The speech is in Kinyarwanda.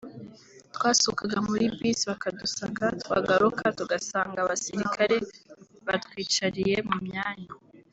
twasohokaga muri bus bakadusaka twagaruka tugasanga abasirikare batwicariye mu myanya